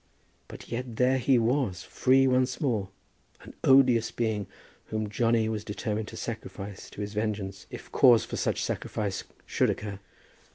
But yet there he was, free once more, an odious being, whom Johnny was determined to sacrifice to his vengeance, if cause for such sacrifice should occur.